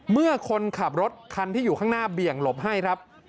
เมื่อคนขับรถคันที่อยู่ข้างหน้าเบี่ยงหลบให้ครับ